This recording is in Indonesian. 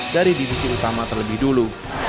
dari divisi utama terlebih dulu